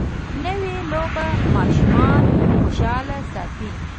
نوې لوبه ماشومان خوشحاله ساتي